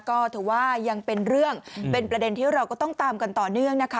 ก็ถือว่ายังเป็นเรื่องเป็นประเด็นที่เราก็ต้องตามกันต่อเนื่องนะคะ